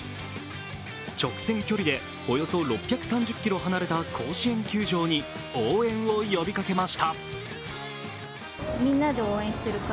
直線距離でおよそ６３０ｋｍ離れた甲子園球場に応援を呼びかけました。